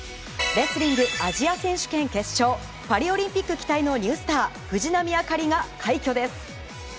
レスリングアジア選手権決勝パリオリンピック期待のニュースター藤波朱理が快挙です。